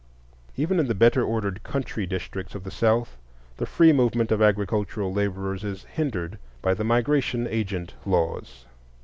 Even in the better ordered country districts of the South the free movement of agricultural laborers is hindered by the migration agent laws.